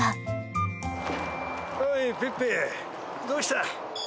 おいペッペどうした？